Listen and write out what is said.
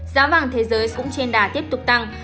giá vàng thế giới cũng trên đà tiếp tục tăng